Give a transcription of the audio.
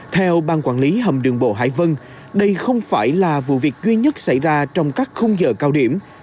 theo ban quản lý hầm đường bộ hải vân đây không phải là vụ việc duy nhất xảy ra trong các khung giờ cao điểm